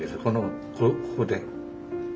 このここで。